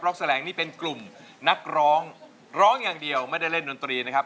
แสลงนี่เป็นกลุ่มนักร้องร้องอย่างเดียวไม่ได้เล่นดนตรีนะครับ